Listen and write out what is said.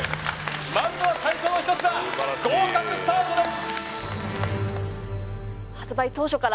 まずは最初の一品合格スタートです